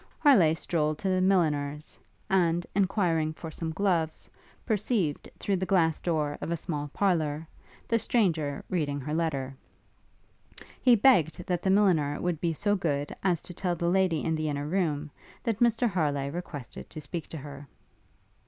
Harleigh strolled to the milliner's, and, enquiring for some gloves, perceived, through the glass door of a small parlour, the stranger reading her letter. He begged that the milliner would be so good as to tell the lady in the inner room, that Mr Harleigh requested to speak to her.